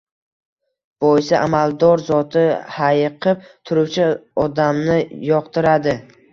Boisi, amaldor zoti... hayiqib turuvchi odamni yoqtiradi.